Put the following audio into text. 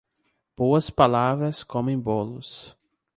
Boas palavras comem bolos.